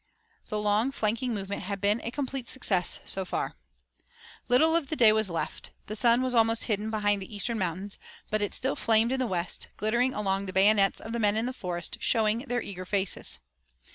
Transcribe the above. The long flanking movement had been a complete success so far. Little of the day was left. The sun was almost hidden behind the eastern mountains but it still flamed in the west, glittering along the bayonets of the men in the forest, and showing their eager faces.